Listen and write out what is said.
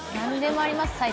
何でもあります